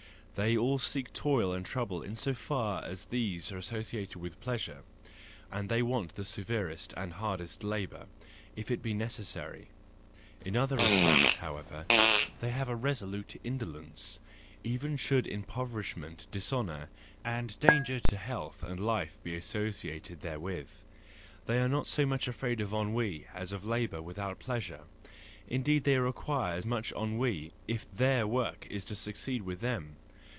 They all seek toil and trouble in so far as these are associated with pleasure, and they want the severest and hardest labour, if it be necessary. In other respects, how¬ ever, they have a resolute indolence, even should impoverishment, dishonour, and danger to health and life be associated therewith. They are not so much afraid of ennui as of labour without pleasure; indeed they require much ennui, if their work is to succeed with them.